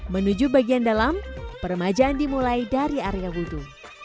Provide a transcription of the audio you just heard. menuju bagian dalam peremajaan dimulai dari area wudhu